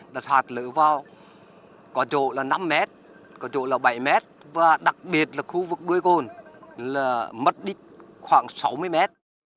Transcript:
đã sạt lở vào có chỗ là năm mét có chỗ là bảy mét và đặc biệt là khu vực đuôi cồn là mất đích khoảng sáu mươi mét